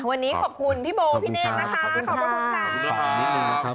วันนี้ขอบคุณพี่โบพี่เนทนะคะขอบคุณค่ะขอบคุณค่ะขอบคุณค่ะขอบคุณค่ะ